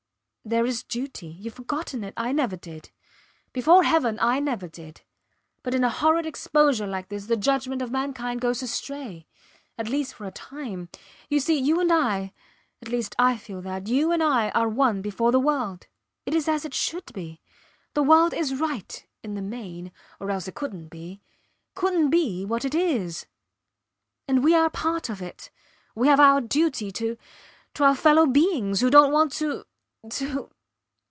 There is duty. Youve forgotten it; I never did. Before heaven, I never did. But in a horrid exposure like this the judgment of mankind goes astray at least for a time. You see, you and I at least I feel that you and I are one before the world. It is as it should be. The world is right in the main or else it couldnt be couldnt be what it is. And we are part of it. We have our duty to to our fellow beings who dont want to ... to